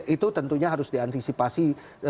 itu tentunya harus diantisipasi